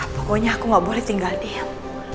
pokoknya aku gak boleh tinggal diem